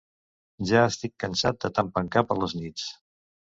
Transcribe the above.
Ja estic cansat de tant pencar per les nits.